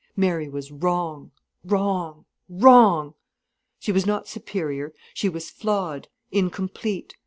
Mary was wrong, wrong, wrong: she was not superior, she was flawed, incomplete.